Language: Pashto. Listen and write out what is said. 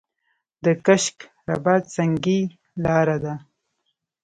د کشک رباط سنګي لاره ده